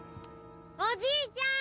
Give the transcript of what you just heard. おじいちゃん！